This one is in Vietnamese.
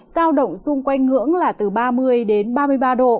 sao động xung quanh hướng là từ ba mươi đến ba mươi ba độ